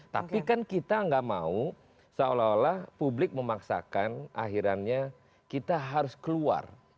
tapi kan kita nggak mau seolah olah publik memaksakan akhirnya kita harus keluar